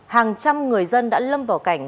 hàng trăm người dân đã lâm vào cảnh